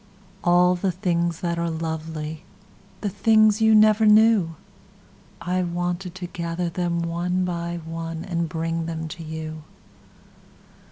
All the things that are lovely—The things you never knew—I wanted to gather them one by oneAnd bring them to you.